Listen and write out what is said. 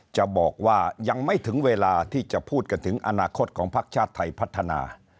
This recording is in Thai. จะบอกว่ายังไม่ถึงเวลาที่จะพูดกันถึงอนาคตของพักชาติไทยพัฒนา